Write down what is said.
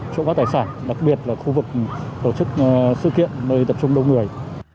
chỗ các tài sản đặc biệt là khu vực tổ chức sự kiện nơi tập trung đông người